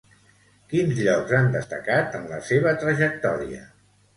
Quins llocs han destacat en la seva trajectòria?